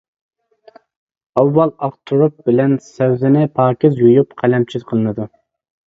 ئاۋۋال ئاق تۇرۇپ بىلەن سەۋزىنى پاكىز يۇيۇپ قەلەمچە قىلىنىدۇ.